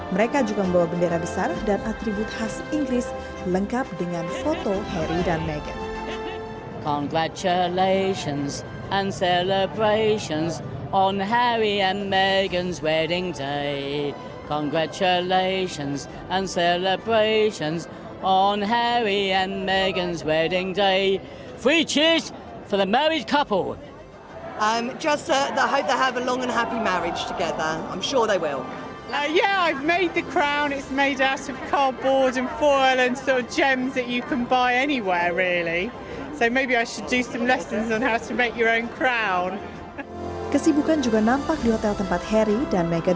mereka juga membawa bendera besar dan atribut khas inggris lengkap dengan foto harry dan meghan